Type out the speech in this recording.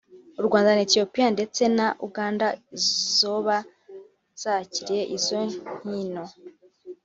Urwanda na Ethiopia ndetse na Uganda izoba yakiriye izo nkino